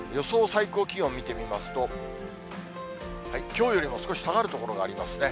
最高気温見てみますと、きょうよりも少し下がる所がありますね。